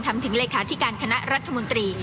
ทำถึงเลขาที่การคณะรัฐมนตรี